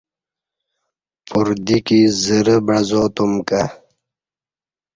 پردیکی زرہ بعزا تم کہ